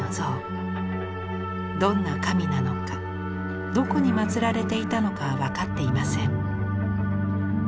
どんな神なのかどこに祀られていたのかは分かっていません。